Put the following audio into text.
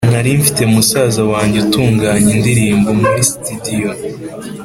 Nari mfite musaza wange utunganya indirimbo muri "studio"